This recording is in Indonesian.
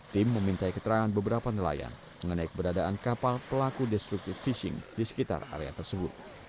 tim meminta keterangan beberapa nelayan mengenai keberadaan kapal pelaku destructed fishing di sekitar area tersebut